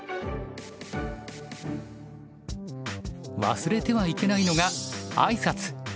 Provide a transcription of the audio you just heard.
忘れてはいけないのがあいさつ。